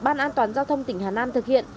ban an toàn giao thông tỉnh hà nam thực hiện